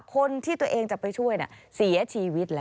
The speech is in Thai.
คนที่ตัวเองจะไปช่วยเสียชีวิตแล้ว